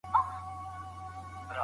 ښوروا بې غوړیو نه وي.